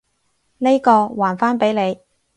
呢個，還返畀你！